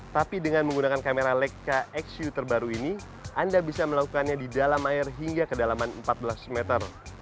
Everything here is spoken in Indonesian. tapi dengan menggunakan kamera leka xq terbaru ini anda bisa melakukannya di dalam air hingga kedalaman empat belas meter